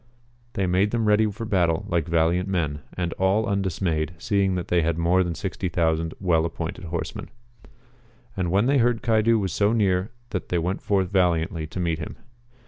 They made them ready for battle like valiant men, and all undismayed, seeing that they had more than 60,000 well appointed horsemen. And when they heard Caidu was so near they went forth valiantly to meet him.